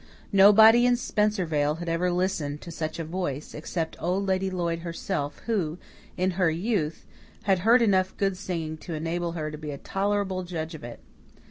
Nobody in Spencervale had ever listened to such a voice, except Old Lady Lloyd herself, who, in her youth, had heard enough good singing to enable her to be a tolerable judge of it.